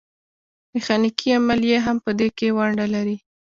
میخانیکي عملیې هم په دې کې ونډه لري.